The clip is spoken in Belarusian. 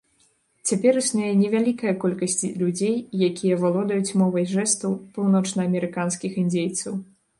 Цяпер існуе невялікая колькасць людзей, якія валодаюць мовай жэстаў паўночнаамерыканскіх індзейцаў.